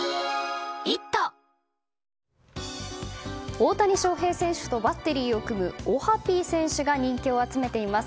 大谷翔平選手とバッテリーを組むオハピー選手が人気を集めています。